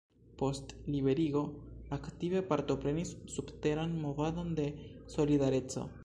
Post liberigo aktive partoprenis subteran movadon de Solidareco.